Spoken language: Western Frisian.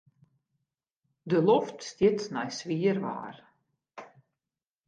De loft stiet nei swier waar.